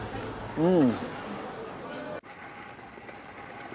うん。